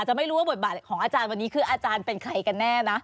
จะไม่รู้ว่าบทบาทของอาจารย์วันนี้คืออาจารย์เป็นใครกันแน่นะ